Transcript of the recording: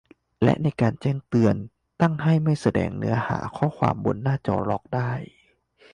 และในการแจ้งเตือน ตั้งให้ไม่แสดงเนื้อหาข้อความบนหน้าจอล็อกได้